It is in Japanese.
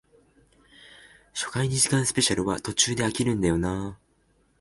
初回二時間スペシャルは途中で飽きるんだよなあ